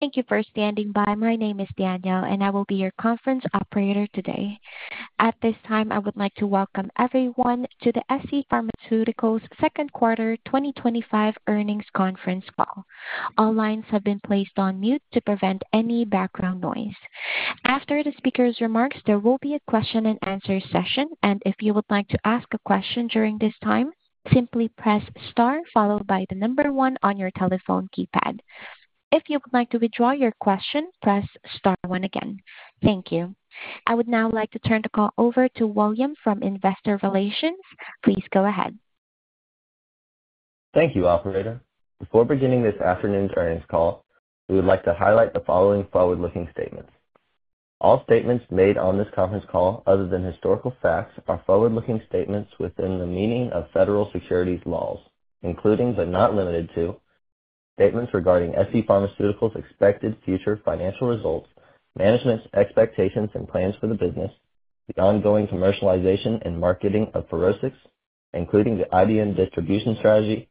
Thank you for standing by. My name is Danielle, and I will be your conference operator today. At this time, I would like to welcome everyone to the scPharmaceuticals Second Quarter 2025 Earnings Conference Call. All lines have been placed on mute to prevent any background noise. After the speaker's remarks, there will be a question and answer session, and if you would like to ask a question during this time, simply press star followed by the number one on your telephone keypad. If you would like to withdraw your question, press star one again. Thank you. I would now like to turn the call over to William from Investor Relations. Please go ahead. Thank you, operator. Before beginning this afternoon's earnings call, we would like to highlight the following forward-looking statements. All statements made on this conference call, other than historical facts, are forward-looking statements within the meaning of federal securities laws, including but not limited to statements regarding scPharmaceuticals' expected future financial results, management's expectations and plans for the business, the ongoing commercialization and marketing of FUROSCIX, including the IBM distribution strategy,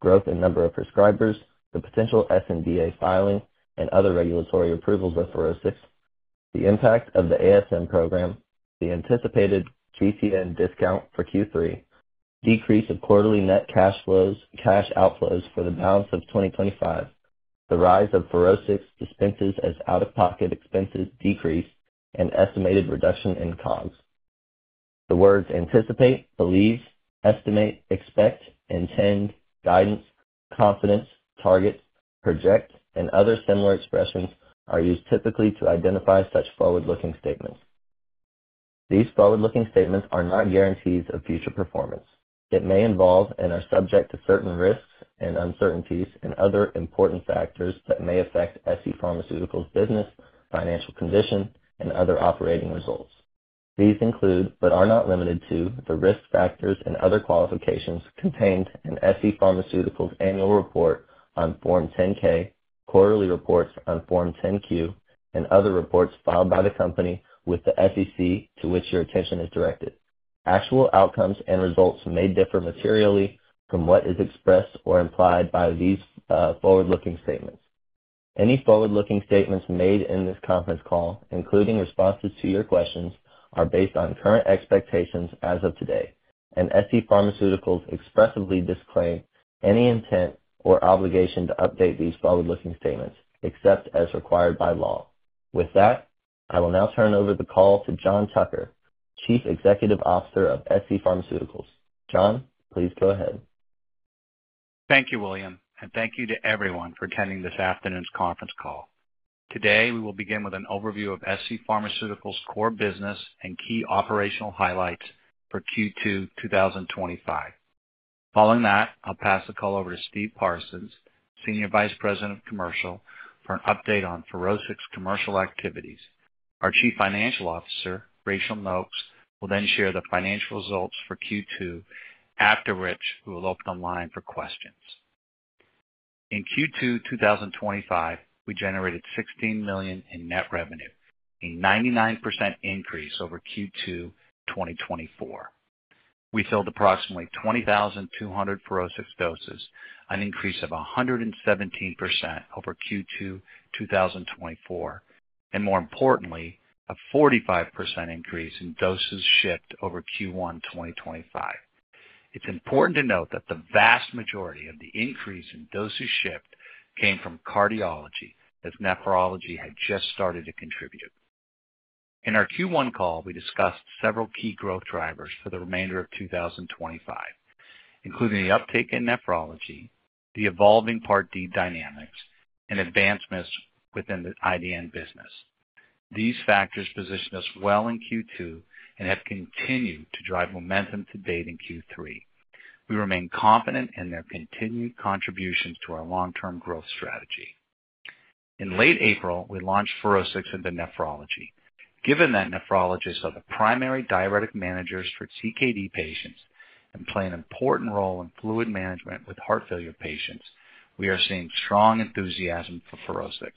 growth in number of prescribers, the potential SNDA filing, and other regulatory approvals of FUROSCIX, the impact of the ASM program, the anticipated GPN discount for Q3, decrease of quarterly net cash flows, cash outflows for the balance of 2025, the rise of FUROSCIX's expenses as out-of-pocket expenses decrease, and estimated reduction in COGS. The words anticipate, believe, estimate, expect, intend, guidance, confidence, target, project, and other similar expressions are used typically to identify such forward-looking statements. These forward-looking statements are not guarantees of future performance. They may involve and are subject to certain risks and uncertainties and other important factors that may affect scPharmaceuticals' business, financial condition, and other operating results. These include, but are not limited to, the risk factors and other qualifications contained in scPharmaceuticals' annual report on Form 10-K, quarterly reports on Form 10-Q, and other reports filed by the company with the SEC to which your attention is directed. Actual outcomes and results may differ materially from what is expressed or implied by these forward-looking statements. Any forward-looking statements made in this conference call, including responses to your questions, are based on current expectations as of today, and scPharmaceuticals expressly disclaims any intent or obligation to update these forward-looking statements except as required by law. With that, I will now turn over the call to John Tucker, Chief Executive Officer of scPharmaceuticals. John, please go ahead. Thank you, William, and thank you to everyone for attending this afternoon's conference call. Today, we will begin with an overview of scPharmaceuticals' core business and key operational highlights for Q2 2025. Following that, I'll pass the call over to Steve Parsons, Senior Vice President of Commercial, for an update on FUROSCIX's commercial activities. Our Chief Financial Officer, Rachael Nokes, will then share the financial results for Q2, after which we will open the line for questions. In Q2 2025, we generated $16 million in net revenue, a 99% increase over Q2 2024. We filled approximately 20,200 FUROSCIX doses, an increase of 117% over Q2 2024, and more importantly, a 45% increase in doses shipped over Q1 2025. It's important to note that the vast majority of the increase in doses shipped came from cardiology, as nephrology had just started to contribute. In our Q1 call, we discussed several key growth drivers for the remainder of 2025, including the uptake in nephrology, the evolving Medicare Part D dynamics, and advancements within the IDN business. These factors positioned us well in Q2 and have continued to drive momentum to date in Q3. We remain confident in their continued contributions to our long-term growth strategy. In late April, we launched FUROSCIX into nephrology. Given that nephrologists are the primary diuretic managers for CKD patients and play an important role in fluid management with heart failure patients, we are seeing strong enthusiasm for FUROSCIX.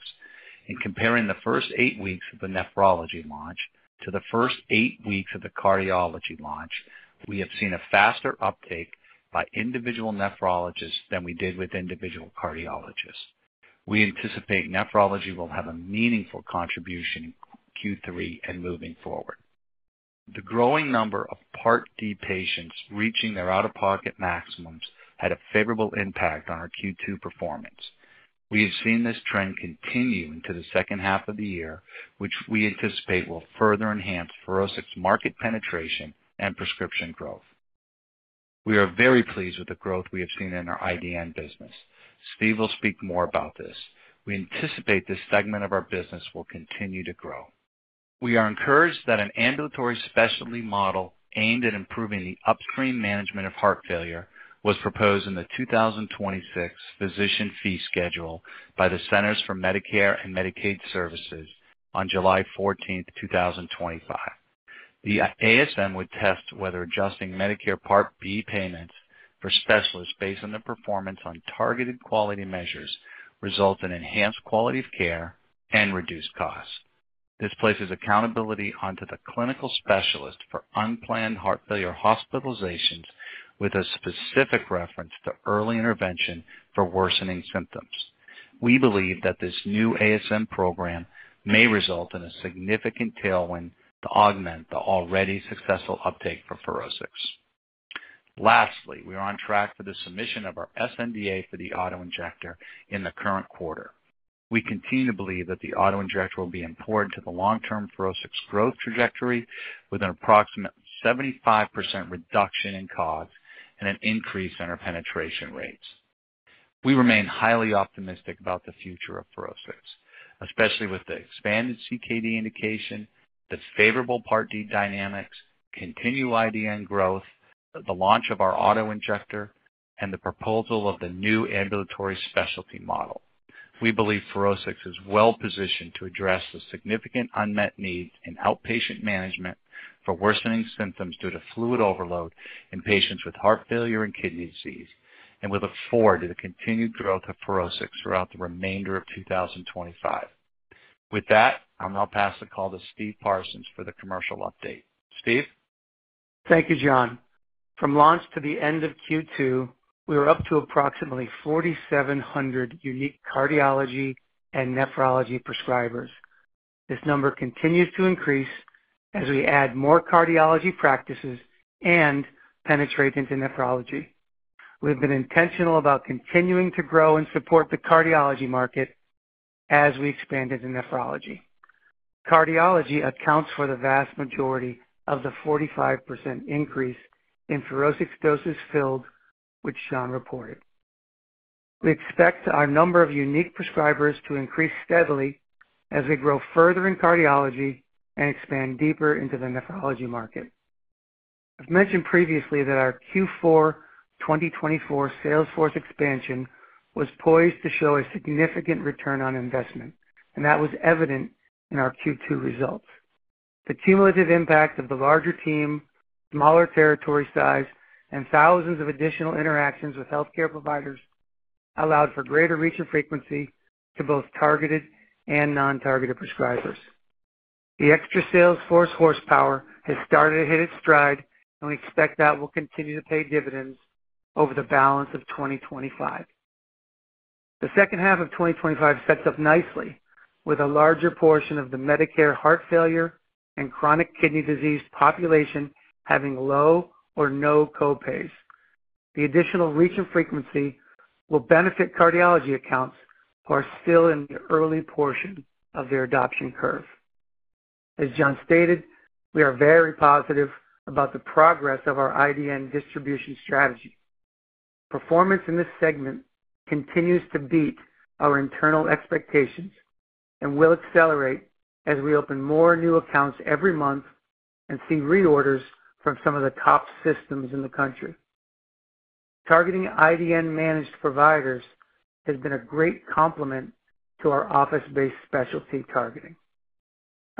In comparing the first eight weeks of the nephrology launch to the first eight weeks of the cardiology launch, we have seen a faster uptake by individual nephrologists than we did with individual cardiologists. We anticipate nephrology will have a meaningful contribution in Q3 and moving forward. The growing number of Part D patients reaching their out-of-pocket maximums had a favorable impact on our Q2 performance. We have seen this trend continue into the second half of the year, which we anticipate will further enhance FUROSCIX's market penetration and prescription growth. We are very pleased with the growth we have seen in our IDN business. Steve will speak more about this. We anticipate this segment of our business will continue to grow. We are encouraged that an Ambulatory Specialty Model aimed at improving the upstream management of heart failure was proposed in the 2026 physician fee schedule by the Centers for Medicare & Medicaid Services on July 14th, 2025. The ASM would test whether adjusting Medicare Part D payments for specialists based on their performance on targeted quality measures results in enhanced quality of care and reduced costs. This places accountability onto the clinical specialist for unplanned heart failure hospitalizations with a specific reference to early intervention for worsening symptoms. We believe that this new ASM program may result in a significant tailwind to augment the already successful uptake for FUROSCIX. Lastly, we are on track for the submission of our sNDA for the autoinjector in the current quarter. We continue to believe that the autoinjector will be important to the long-term FUROSCIX growth trajectory with an approximate 75% reduction in COGS and an increase in our penetration rates. We remain highly optimistic about the future of FUROSCIX, especially with the expanded CKD indication, the favorable Part D dynamics, continual IDN growth, the launch of our autoinjector, and the proposal of the new Ambulatory Specialty Model. We believe FUROSCIX is well positioned to address the significant unmet needs in outpatient management for worsening symptoms due to fluid overload in patients with heart failure and kidney disease, and we look forward to the continued growth of FUROSCIX throughout the remainder of 2025. With that, I'll now pass the call to Steve Parsons for the commercial update. Steve? Thank you, John. From launch to the end of Q2, we were up to approximately 4,700 unique cardiology and nephrology prescribers. This number continues to increase as we add more cardiology practices and penetrate into nephrology. We've been intentional about continuing to grow and support the cardiology market as we expand into nephrology. Cardiology accounts for the vast majority of the 45% increase in FUROSCIX doses filled which John reported. We expect our number of unique prescribers to increase steadily as we grow further in cardiology and expand deeper into the nephrology market. I've mentioned previously that our Q4 2024 sales force expansion was poised to show a significant return on investment, and that was evident in our Q2 results. The cumulative impact of the larger team, smaller territory size, and thousands of additional interactions with healthcare providers allowed for greater reach and frequency to both targeted and non-targeted prescribers. The extra sales force horsepower has started to hit its stride, and we expect that will continue to pay dividends over the balance of 2025. The second half of 2025 sets up nicely with a larger portion of the Medicare heart failure and chronic kidney disease population having low or no co-pays. The additional reach and frequency will benefit cardiology accounts who are still in the early portion of their adoption curve. As John stated, we are very positive about the progress of our IDN distribution strategy. Performance in this segment continues to beat our internal expectations and will accelerate as we open more new accounts every month and see reorders from some of the top systems in the country. Targeting IDN-managed providers has been a great complement to our office-based specialty targeting.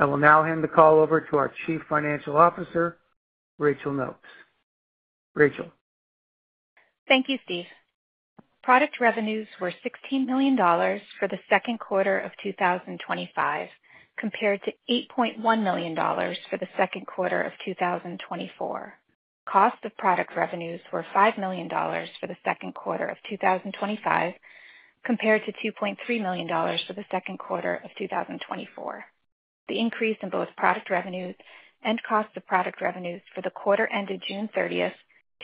I will now hand the call over to our Chief Financial Officer, Rachael Nokes. Rachael? Thank you, Steve. Product revenues were $16 million for the second quarter of 2025, compared to $8.1 million for the second quarter of 2024. Cost of product revenues were $5 million for the second quarter of 2025, compared to $2.3 million for the second quarter of 2024. The increase in both product revenues and cost of product revenues for the quarter ended June 30,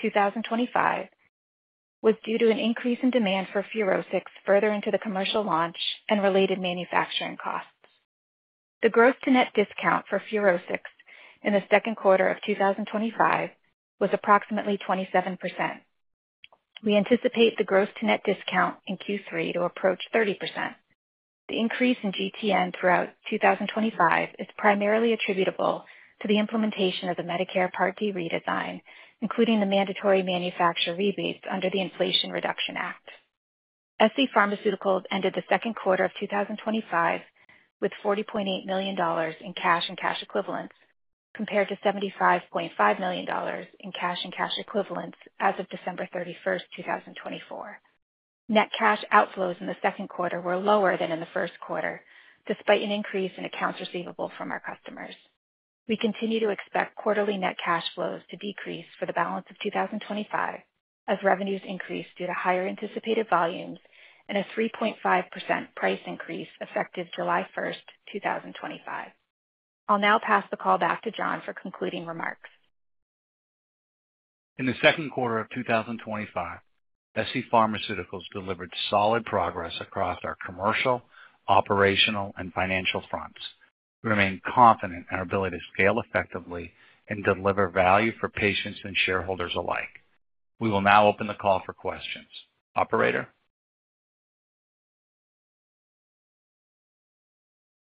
2025, was due to an increase in demand for FUROSCIX further into the commercial launch and related manufacturing costs. The gross to net discount for FUROSCIX in the second quarter of 2025 was approximately 27%. We anticipate the gross to net discount in Q3 to approach 30%. The increase in GPN throughout 2025 is primarily attributable to the implementation of the Medicare Part D redesign, including the mandatory manufacturer rebates under the Inflation Reduction Act. scPharmaceuticals ended the second quarter of 2025 with $40.8 million in cash and cash equivalents, compared to $75.5 million in cash and cash equivalents as of December 31st, 2024. Net cash outflows in the second quarter were lower than in the first quarter, despite an increase in accounts receivable from our customers. We continue to expect quarterly net cash flows to decrease for the balance of 2025 as revenues increase due to higher anticipated volumes and a 3.5% price increase effective July 1st, 2025. I'll now pass the call back to John for concluding remarks. In the second quarter of 2025, scPharmaceuticals delivered solid progress across our commercial, operational, and financial fronts. We remain confident in our ability to scale effectively and deliver value for patients and shareholders alike. We will now open the call for questions. Operator?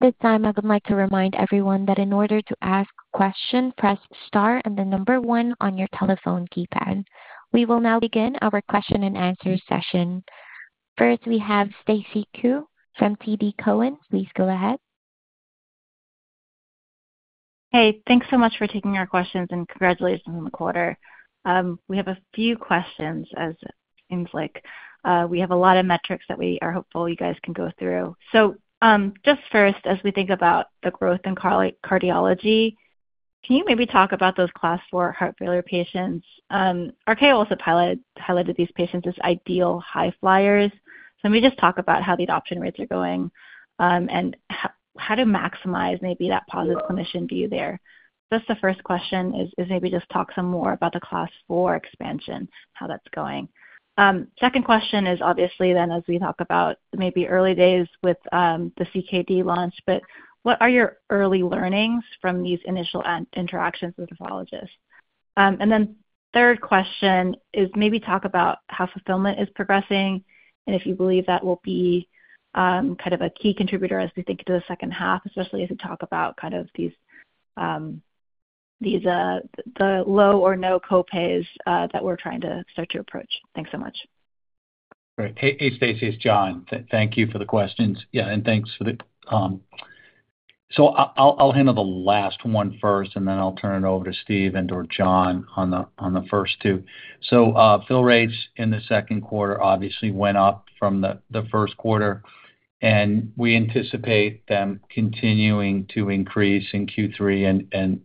This time, I would like to remind everyone that in order to ask questions, press star and the number one on your telephone keypad. We will now begin our question and answer session. First, we have Stacy Ku from TD Cowen. Please go ahead. Hey, thanks so much for taking our questions and congratulations on the quarter. We have a few questions as it seems like we have a lot of metrics that we are hopeful you guys can go through. Just first, as we think about the growth in cardiology, can you maybe talk about those class four heart failure patients? Rachael also highlighted these patients as ideal high flyers. Let me just talk about how the adoption rates are going and how to maximize maybe that positive clinician view there. The first question is maybe just talk some more about the class four expansion, how that's going. Second question is obviously as we talk about maybe early days with the CKD launch, what are your early learnings from these initial interactions with nephrologists? Third question is maybe talk about how fulfillment is progressing and if you believe that will be kind of a key contributor as we think into the second half, especially as we talk about kind of these low or no co-pays that we're trying to start to approach. Thanks so much. Right. Hey, Stacy, it's John. Thank you for the questions. Yeah, and thanks for the call. I'll handle the last one first and then I'll turn it over to Steve and/or John on the first two. Fill rates in the second quarter obviously went up from the first quarter and we anticipate them continuing to increase in Q3 and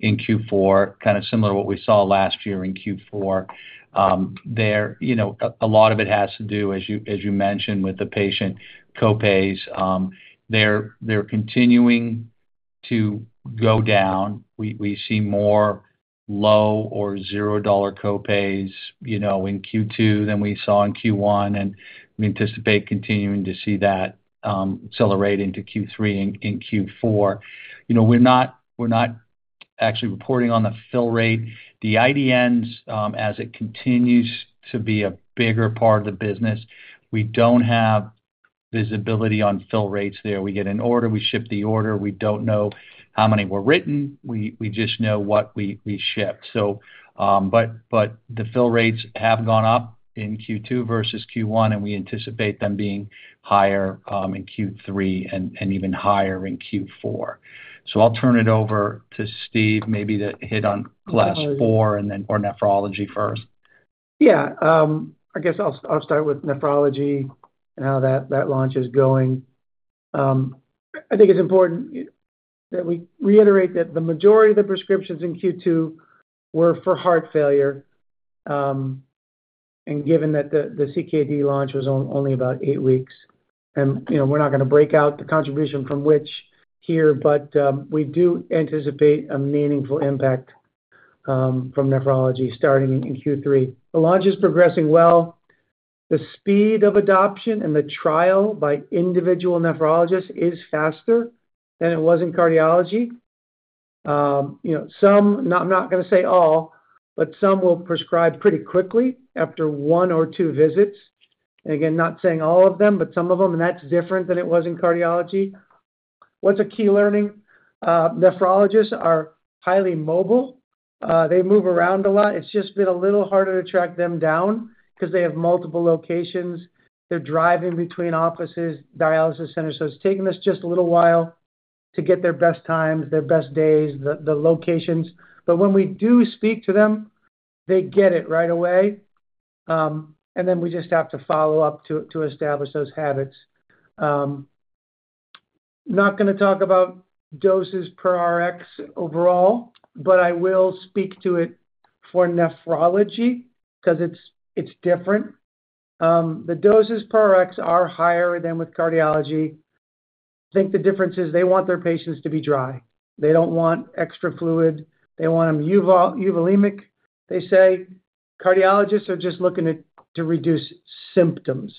in Q4, kind of similar to what we saw last year in Q4. A lot of it has to do, as you mentioned, with the patient co-pays. They're continuing to go down. We see more low or $0 co-pays in Q2 than we saw in Q1 and we anticipate continuing to see that accelerate into Q3 and Q4. We're not actually reporting on the fill rate. The IDNs, as it continues to be a bigger part of the business, we don't have visibility on fill rates there. We get an order, we ship the order, we don't know how many were written, we just know what we shipped. The fill rates have gone up in Q2 versus Q1 and we anticipate them being higher in Q3 and even higher in Q4. I'll turn it over to Steve, maybe to hit on class four and then or nephrology first. Yeah, I guess I'll start with nephrology and how that launch is going. I think it's important that we reiterate that the majority of the prescriptions in Q2 were for heart failure, and given that the CKD launch was only about eight weeks. We're not going to break out the contribution from which here, but we do anticipate a meaningful impact from nephrology starting in Q3. The launch is progressing well. The speed of adoption and the trial by individual nephrologists is faster than it was in cardiology. I'm not going to say all, but some will prescribe pretty quickly after one or two visits. Not saying all of them, but some of them, and that's different than it was in cardiology. What's a key learning? Nephrologists are highly mobile. They move around a lot. It's just been a little harder to track them down because they have multiple locations. They're driving between offices, dialysis centers. It's taken us just a little while to get their best times, their best days, the locations. When we do speak to them, they get it right away. We just have to follow up to establish those habits. Not going to talk about doses per Rx overall, but I will speak to it for nephrology because it's different. The doses per Rx are higher than with cardiology. I think the difference is they want their patients to be dry. They don't want extra fluid. They want them euvolemic, they say. Cardiologists are just looking to reduce symptoms.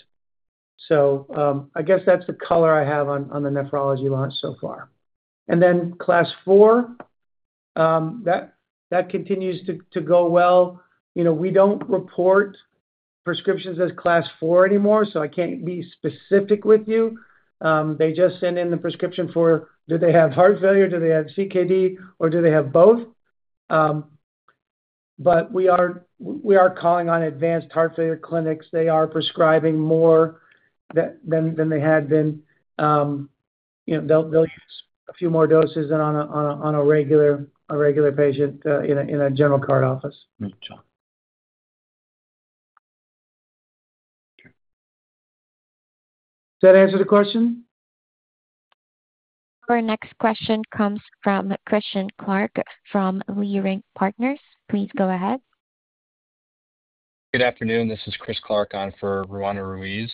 I guess that's the color I have on the nephrology launch so far. Class four, that continues to go well. We don't report prescriptions as class four anymore, so I can't be specific with you. They just send in the prescription for, do they have heart failure, do they have CKD, or do they have both? We are calling on advanced heart failure clinics. They are prescribing more than they had been. They'll use a few more doses than on a regular patient in a general card office. Does that answer the question? Our next question comes from Christian Clark from Leerink Partners. Please go ahead. Good afternoon. This is Chris Clark on for Roanna Ruiz.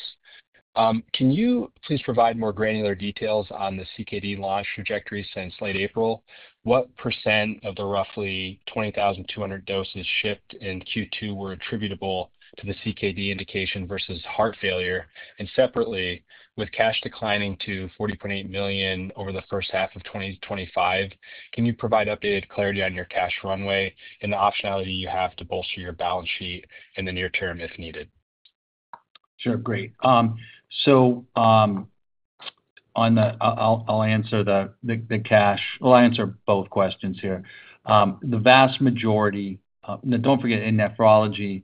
Can you please provide more granular details on the CKD launch trajectory since late April? What percent of the roughly 20,200 doses shipped in Q2 were attributable to the CKD indication versus heart failure? Separately, with cash declining to $40.8 million over the first half of 2025, can you provide updated clarity on your cash runway and the optionality you have to bolster your balance sheet in the near term if needed? Sure, great. I'll answer the cash. I'll answer both questions here. The vast majority, now don't forget in nephrology, we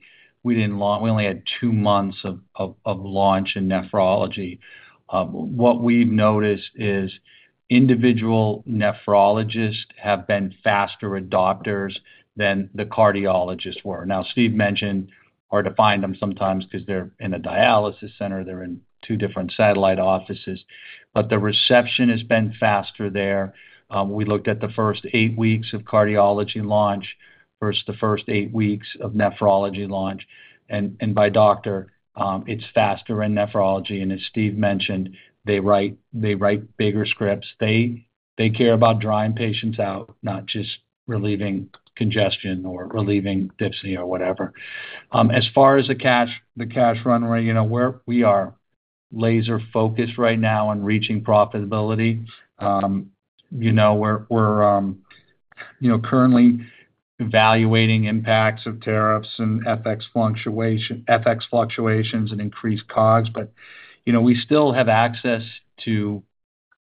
didn't launch, we only had two months of launch in nephrology. What we've noticed is individual nephrologists have been faster adopters than the cardiologists were. Steve mentioned or defined them sometimes because they're in a dialysis center, they're in two different satellite offices, but the reception has been faster there. We looked at the first eight weeks of cardiology launch versus the first eight weeks of nephrology launch. By doctor, it's faster in nephrology. As Steve mentioned, they write bigger scripts. They care about drying patients out, not just relieving congestion or relieving dyspnea or whatever. As far as the cash runway, you know, we are laser focused right now on reaching profitability. We're currently evaluating impacts of tariffs and FX fluctuations and increased COGS. You know, we still have access to,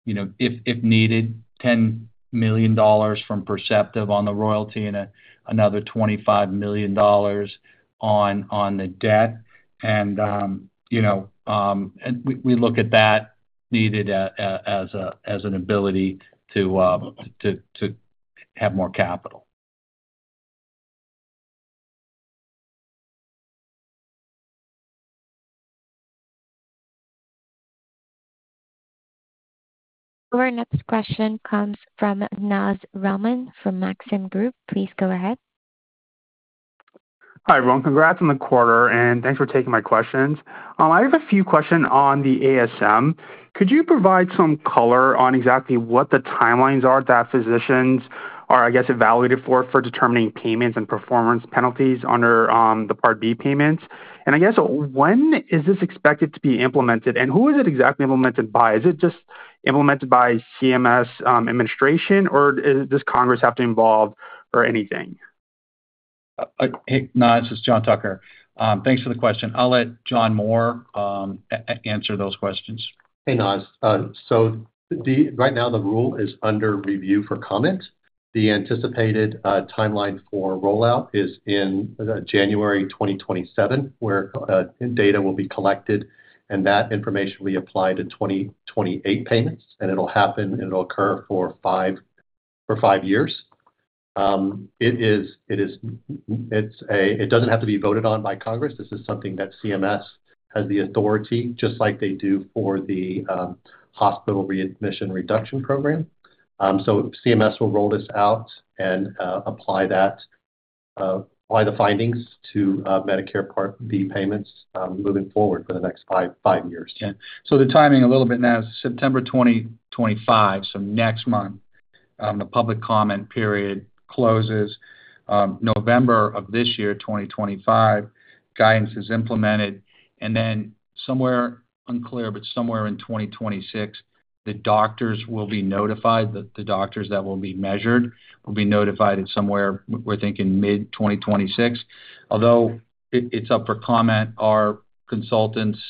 if needed, $10 million from Perceptive on the royalty and another $25 million on the debt. We look at that needed as an ability to have more capital. Our next question comes from Naz Rahman from Maxim Group. Please go ahead. Hi, everyone. Congrats on the quarter and thanks for taking my questions. I have a few questions on the ASM. Could you provide some color on exactly what the timelines are that physicians are, I guess, evaluated for determining payments and performance penalties under the Part D payments? I guess, when is this expected to be implemented and who is it exactly implemented by? Is it just implemented by CMS administration or does Congress have to be involved or anything? Naz, this is John Tucker. Thanks for the question. I'll let John Mohr answer those questions. Hey, Naz. Right now, the rule is under review for comment. The anticipated timeline for rollout is in January 2027, where data will be collected and that information will be applied to 2028 payments. It'll happen and occur for five years. It doesn't have to be voted on by Congress. This is something that CMS has the authority, just like they do for the hospital readmission reduction program. CMS will roll this out and apply the findings to Medicare Part D payments moving forward for the next five years. Yeah. The timing a little bit now is September 2025. Next month, the public comment period closes. November of this year, 2025, guidance is implemented. Then somewhere unclear, but somewhere in 2026, the doctors will be notified, the doctors that will be measured will be notified in somewhere, we're thinking mid-2026. Although it's up for comment, our consultants,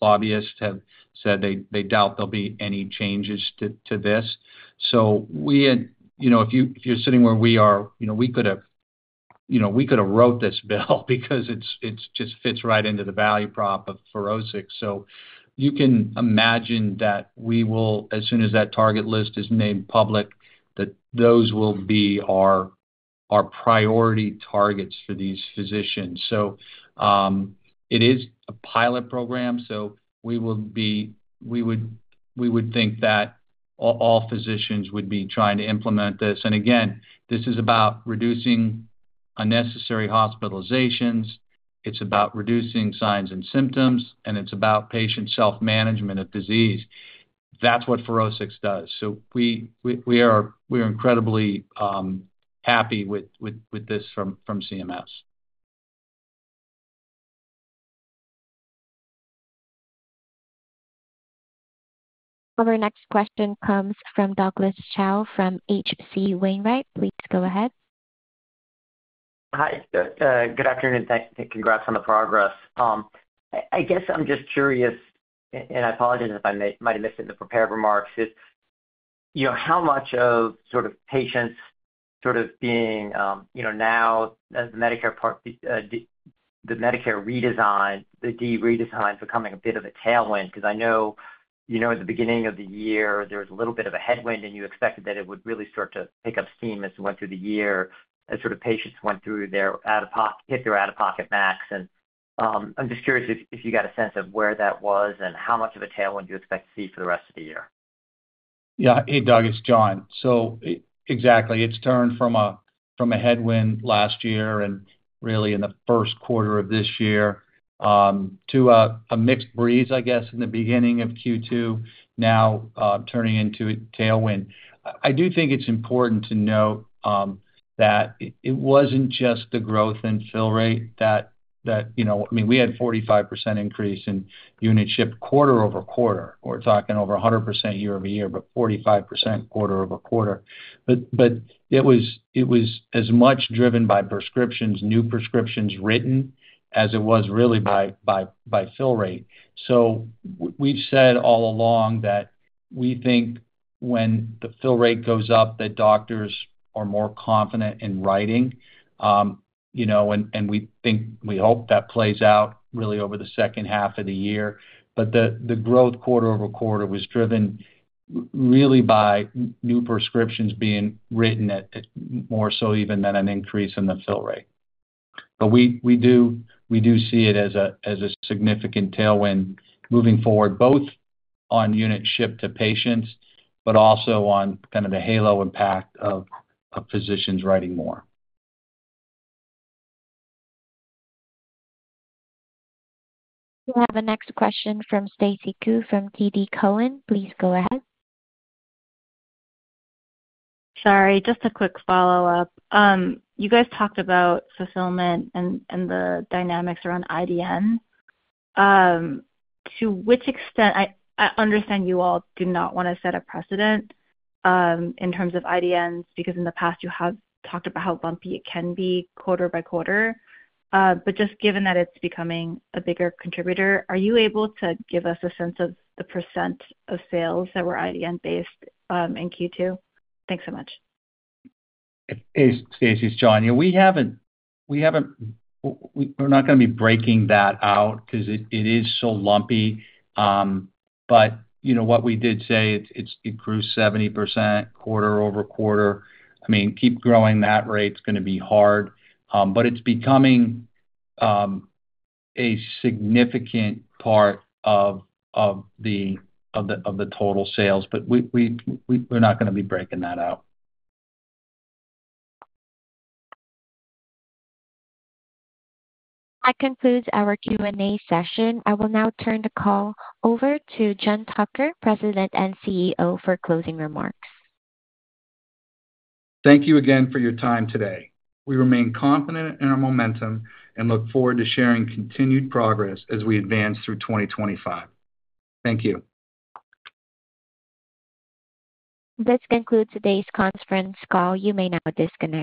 lobbyists have said they doubt there'll be any changes to this. If you're sitting where we are, you know, we could have, you know, we could have wrote this bill because it just fits right into the value prop of FUROSCIX. You can imagine that we will, as soon as that target list is named public, that those will be our priority targets for these physicians. It is a pilot program. We would think that all physicians would be trying to implement this. This is about reducing unnecessary hospitalizations. It's about reducing signs and symptoms, and it's about patient self-management of disease. That's what FUROSCIX does. We are incredibly happy with this from CMS. Our next question comes from Douglas Tsao from H.C. Wainwright. Please go ahead. Hi, good afternoon. Thanks. Congrats on the progress. I guess I'm just curious, and I apologize if I might have missed it in the prepared remarks, is, you know, how much of sort of patients sort of being, you know, now as the Medicare redesign, Part D redesign, becoming a bit of a tailwind? Because I know, you know, in the beginning of the year, there was a little bit of a headwind and you expected that it would really start to pick up steam as it went through the year, as sort of patients went through their out-of-pocket, hit their out-of-pocket max. I'm just curious if you got a sense of where that was and how much of a tailwind do you expect to see for the rest of the year? Yeah, hey Doug, it's John. Exactly, it's turned from a headwind last year and really in the first quarter of this year to a mixed breeze, I guess, in the beginning of Q2, now turning into a tailwind. I do think it's important to note that it wasn't just the growth in fill rate that, you know, I mean, we had a 45% increase in units shipped quarter-over-quarter. We're talking over 100% year-over-year, but 45% quarter-over-quarter. It was as much driven by prescriptions, new prescriptions written, as it was really by fill rate. We've said all along that we think when the fill rate goes up, doctors are more confident in writing. We think, we hope that plays out really over the second half of the year. The growth quarter-over-quarter was driven really by new prescriptions being written more so even than an increase in the fill rate. We do see it as a significant tailwind moving forward, both on units shipped to patients, but also on kind of the halo impact of physicians writing more. We have a next question from Stacy Ku from TD Cowen. Please go ahead. Sorry, just a quick follow-up. You guys talked about fulfillment and the dynamics around IDN. To which extent, I understand you all do not want to set a precedent in terms of IDNs because in the past you have talked about how bumpy it can be quarter by quarter. Just given that it's becoming a bigger contributor, are you able to give us a sense of the % of sales that were IDN-based in Q2? Thanks so much. Stacy, it's John. Yeah, we haven't, we're not going to be breaking that out because it is so lumpy. What we did say, it grew 70% quarter-over-quarter. I mean, keep growing that rate, it's going to be hard. It's becoming a significant part of the total sales. We're not going to be breaking that out. That concludes our Q&A session. I will now turn the call over to John Tucker, President and CEO, for closing remarks. Thank you again for your time today. We remain confident in our momentum and look forward to sharing continued progress as we advance through 2025. Thank you. This concludes today's conference call. You may now disconnect.